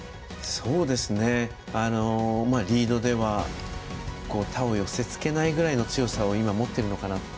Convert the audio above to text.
リードでは他を寄せつけないぐらいの強さを今、持っているのかな。